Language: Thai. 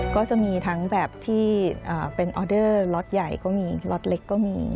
ก็จะมีทั้งแบบที่เป็นออเดอร์ล็อตใหญ่ก็มีล็อตเล็กก็มี